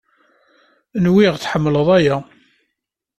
Nwiɣ tḥemmleḍ aya.